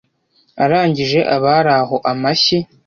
Arangije abari aho amashyi